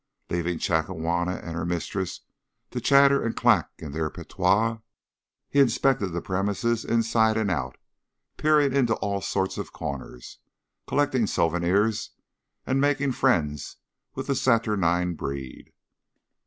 Leaving Chakawana and her mistress to chatter and clack in their patois, he inspected the premises inside and out, peering into all sorts of corners, collecting souvenirs, and making friends with the saturnine breed.